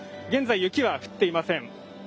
現在、雪は降っていません。